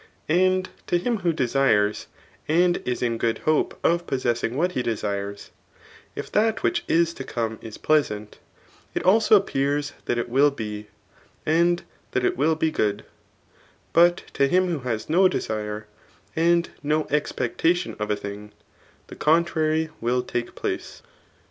And to him who desires, and is in good hope [of possessing what he dbsire^] if that which is to come is pleasant, it also appears that it will be, and that it will be good ; but to faim who has no deefare, and no expectation of a thing, the contrary will take pfabe«r